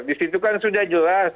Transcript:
disitu kan sudah jelas